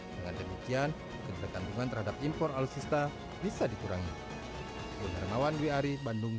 dengan demikian kegiatan kegiatan terhadap impor alutsista bisa dikurangi